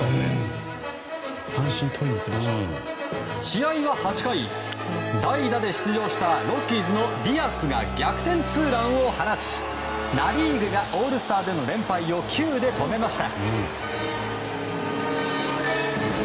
試合は８回、代打で出場したロッキーズのディアスが逆転ツーランを放ちナ・リーグがオールスターでの連敗を９で止めました。